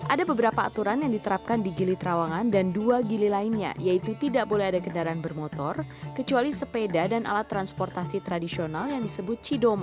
ada beberapa aturan yang diterapkan di gili trawangan dan dua gili lainnya yaitu tidak boleh ada kendaraan bermotor kecuali sepeda dan alat transportasi tradisional yang disebut cidomo